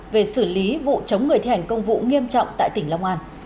về xử lý vụ chống người thi hành công vụ nghiêm trọng tại tỉnh long an